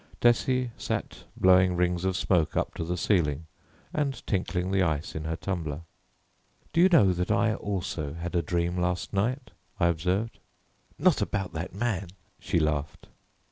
Tessie sat blowing rings of smoke up to the ceiling and tinkling the ice in her tumbler. "Do you know that I also had a dream last night?" I observed. "Not about that man," she laughed.